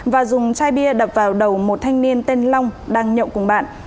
và dùng chai bia đập vào đầu một thanh niên tên long đang nhậu cùng bạn